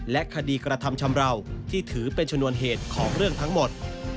และคดีกระทำชำราวที่ถือเป็นชนวนเหตุของเรื่องทั้งหมด